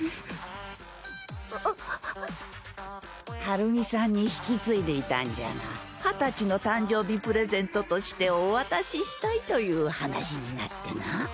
晴美さんに引き継いでいたんじゃが二十歳の誕生日プレゼントとしてお渡ししたいという話になってな。